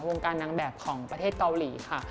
วงการนางแบบของประเทศเกาหลีค่ะ